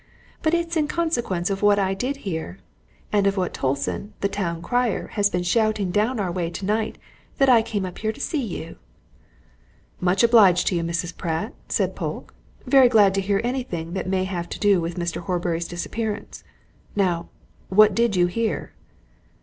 But it's in consequence of what I did hear, and of what Tolson, the town crier, has been shouting down our way tonight, that I come up here to see you." "Much obliged to you, Mrs. Pratt," said Polke. "Very glad to hear anything that may have to do with Mr. Horbury's disappearance. Now, what did you hear?"